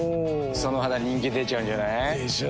その肌人気出ちゃうんじゃない？でしょう。